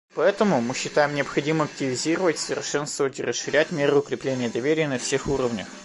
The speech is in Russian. Поэтому мы считаем необходимым активизировать, совершенствовать и расширять меры укрепления доверия на всех уровнях.